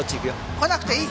来なくていい。